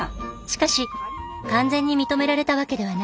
しかし完全に認められたわけではない。